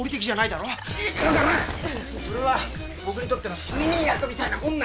だからそれは僕にとっての睡眠薬みたいなもんなんだよ！